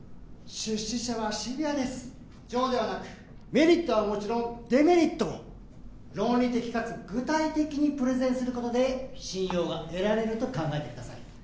出資者はシビアです情ではなくメリットはもちろんデメリットも論理的かつ具体的にプレゼンすることで信用が得られると考えてください